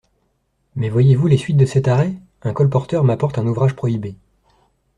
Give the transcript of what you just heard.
Mais voyez-vous les suites de cet arrêt ? Un colporteur m'apporte un ouvrage prohibé.